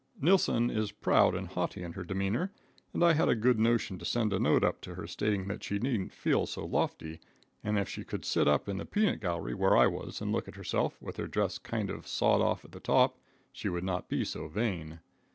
Nilsson is proud and haughty in her demeanor, and I had a good notion to send a note up to her, stating that she needn't feel so lofty, and if she could sit up in the peanut gallery where I was and look at herself, with her dress kind of sawed off at the top, she would not be so vain.